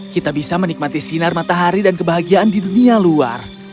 kita bisa menikmati sinar matahari dan kebahagiaan di dunia luar